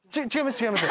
違います